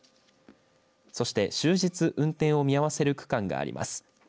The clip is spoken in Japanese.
そして終日運転を見合わせる区間があります。